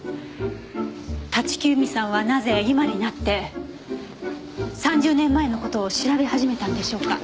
立木由美さんはなぜ今になって３０年前の事を調べ始めたんでしょうか？